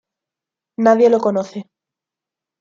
Nadie lo conoce.